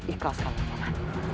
ikal selamat paman